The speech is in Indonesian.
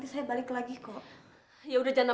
dia ayah kok prakt extraordinarily hukum kantor